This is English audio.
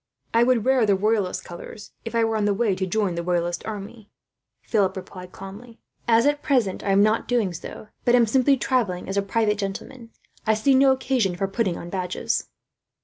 "I would wear the Royalist colours, if I were on the way to join the Royalist army," Philip replied calmly; "as at present I am not doing so, but am simply travelling as a private gentleman, I see no occasion for putting on badges."